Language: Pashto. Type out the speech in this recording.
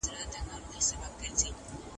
ناپوهه میرمن باید ژوند خراب نه کړي.